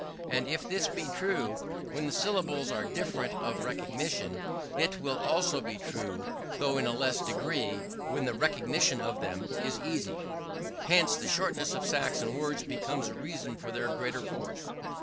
And if this be true when the syllables are difficult of recognition, it will also be true, though in a less degree, when the recognition of them is easy. Hence, the shortness of Saxon words becomes a reason for their greater force.